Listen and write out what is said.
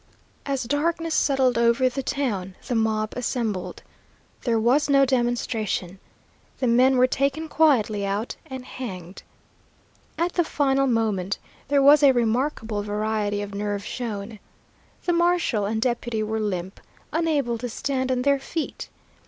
"As darkness settled over the town, the mob assembled. There was no demonstration. The men were taken quietly out and hanged. At the final moment there was a remarkable variety of nerve shown. The marshal and deputy were limp, unable to stand on their feet.